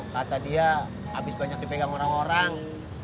kata dia habis banyak dipegang orang orang